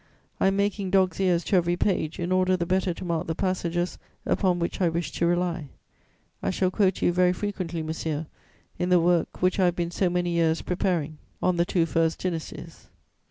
I am making dog's ears to every page, in order the better to mark the passages upon which I wish to rely. I shall quote you very frequently, monsieur, in the work which I have been so many years preparing, on the two first dynasties.